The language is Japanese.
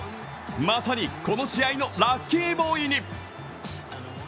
まさにこの試合のラッキーボーイに。